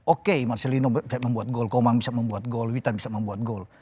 oke marcelino membuat gol komang bisa membuat gol witan bisa membuat gol